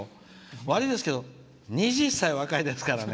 悪いけど、２０歳若いですから。